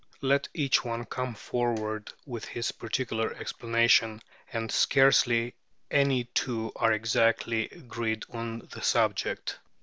Let each one come forward with his particular explanation, and scarcely any two are exactly agreed on the subject.